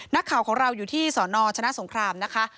นักข่าวของเราอยู่ที่สนชนะสงครามนะคะ